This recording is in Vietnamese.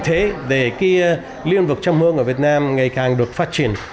thế để cái liên vực chầm hương ở việt nam ngày càng được phát triển